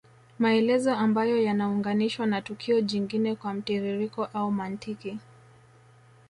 Maelezo ambayo yanaunganishwa na tukio jingine kwa mtiririko au mantiki